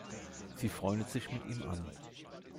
Sie freundet sich mit ihm an.